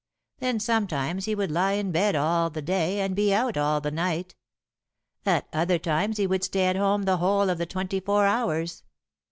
Then sometimes he would lie in bed all the day, and be out all the night. At other times he would stay at home the whole of the twenty four hours.